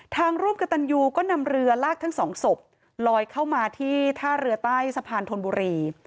ร่วมกับตันยูก็นำเรือลากทั้งสองศพลอยเข้ามาที่ท่าเรือใต้สะพานธนบุรี